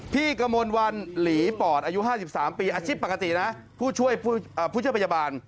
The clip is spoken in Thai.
พี่กมลวันหลีปอดอายุ๕๓ปีอาชีพปกตินะผู้ช่วยพยาบาล